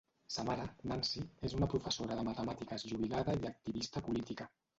Sa mare, Nancy, és una professora de matemàtiques jubilada i activista política.